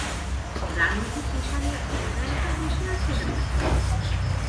রানু কি সেখানে একা-একা বসে আছে নাকি?